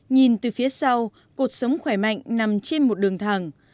nhìn từ phía sau cuộc sống khỏe mạnh nằm trên một đường thẳng